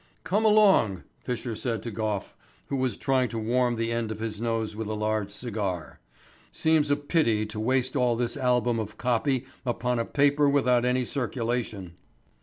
"Come along," Fisher said to Gough, who was trying to warm the end of his nose with a large cigar. "Seems a pity to waste all this album of copy upon a paper without any circulation."